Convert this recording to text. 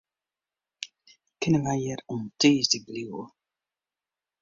Kinne wy hjir oant tiisdei bliuwe?